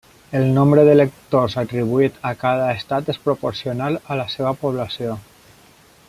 El nombre d'electors atribuït a cada estat és proporcional a la seva població.